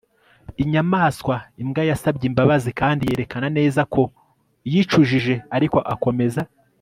inyamaswa imbwa yasabye imbabazi kandi yerekana neza ko yicujije, ariko akomeza